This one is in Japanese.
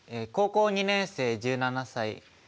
高校２年生１７歳。